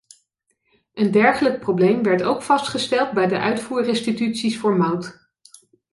Een dergelijk probleem werd ook vastgesteld bij de uitvoerrestituties voor mout.